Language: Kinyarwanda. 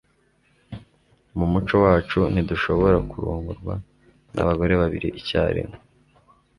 Mu muco wacu ntidushobora kurongorwa nabagore babiri icyarimwe